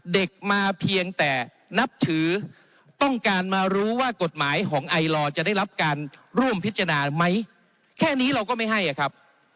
เด็กมาเพียงแต่นับถือต้องการมารู้ว่ากฎหมายของไอลอร์จะได้รับการร่วมพิจารณาไหมแค่นี้เราก็ไม่ให้อะครับ